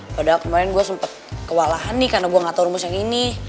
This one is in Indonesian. padahal kemarin gue sempat kewalahan nih karena gue gak tau rumus yang ini